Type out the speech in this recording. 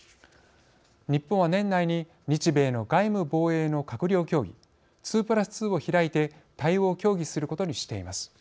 日本は、年内に日米の外務・防衛の閣僚協議２プラス２を開いて対応を協議することにしています。